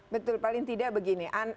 betul paling tidak begini